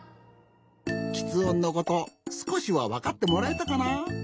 きつ音のことすこしはわかってもらえたかな？